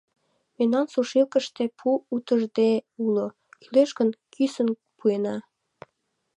— Мемнан сушилкыште пу утыждене уло, кӱлеш гын, кӱсын пуэна.